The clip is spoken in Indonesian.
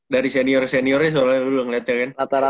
dari senior seniornya soalnya lu udah ngeliatnya kan